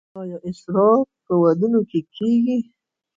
آیا اسراف په ودونو کې کیږي؟